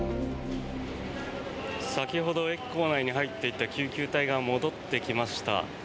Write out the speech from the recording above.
先ほど駅構内に入っていった救急隊が戻ってきました。